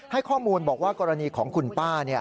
ให้ข้อมูลบอกว่ากรณีของคุณป้า